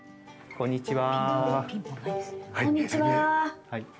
こんにちは。